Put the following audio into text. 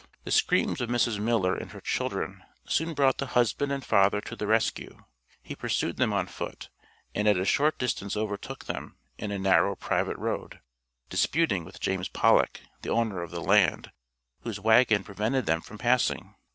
The screams of Mrs. Miller and her children, soon brought the husband and father to the rescue; he pursued them on foot, and at a short distance overtook them in a narrow private road, disputing with James Pollock, the owner of the land, whose wagon prevented them from passing.